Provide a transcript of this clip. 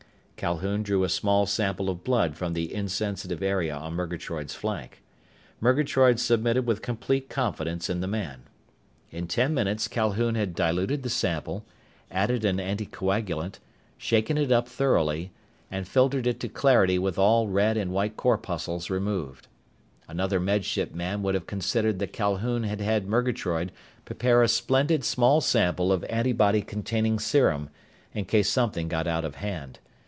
Calhoun drew a small sample of blood from the insensitive area on Murgatroyd's flank. Murgatroyd submitted with complete confidence in the man. In ten minutes Calhoun had diluted the sample, added an anticoagulant, shaken it up thoroughly, and filtered it to clarity with all red and white corpuscles removed. Another Med Ship man would have considered that Calhoun had had Murgatroyd prepare a splendid small sample of antibody containing serum, in case something got out of hand.